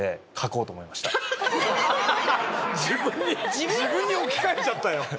自分に置き換えちゃったよ。